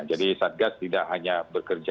jadi satgas tidak hanya bekerja